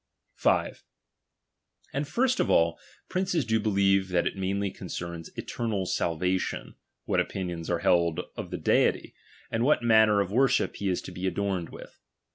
5. And first of all, princes do believe that it mainly concerns eternal salvation, what opinions are held of the Deity, and what manner of worship he is to be adored with.